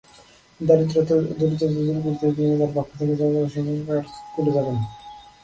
দরিদ্রতা দূর করতে তিনি তাঁর পক্ষ থেকে যতটা সম্ভব কাজ করে যাবেন।